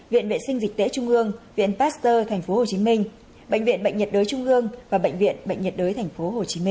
viện vệ sinh dịch tễ trung ương viện pasteur tp hcm bệnh viện bệnh nhiệt đới trung ương và bệnh viện bệnh nhiệt đới tp hcm